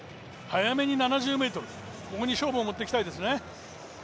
早めに７０ｍ、ここに勝負を持っていきたいですね。